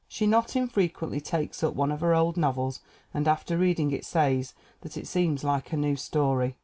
She not infrequently takes up one of her old novels and after reading it says that it seems like a new story.